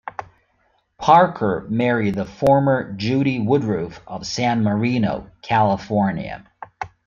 Parker married the former Judy Woodruff of San Marino, California.